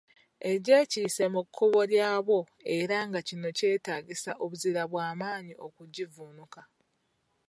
Egyekiise mu kkubo lyabwo era nga kino kyetaagisa obuzira bwa maanyi okugivvuunuka.